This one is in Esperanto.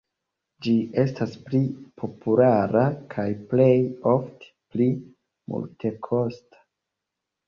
Ĝi estas pli populara kaj plej ofte pli multekosta.